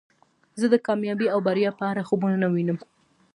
زه د کامیابۍ او بریا په اړه خوبونه نه وینم.